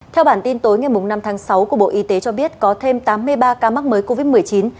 theo bản tin tối ngày năm tháng sáu của bộ y tế cho biết có thêm tám mươi ba ca mắc mới covid một mươi chín